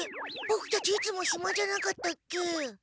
ボクたちいつもひまじゃなかったっけ？